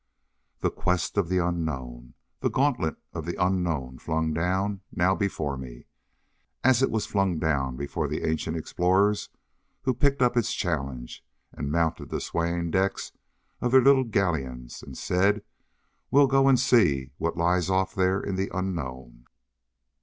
The quest of the unknown. The gauntlet of the unknown flung down now before me, as it was flung down before the ancient explorers who picked up its challenge and mounted the swaying decks of their little galleons and said, "We'll go and see what lies off there in the unknown."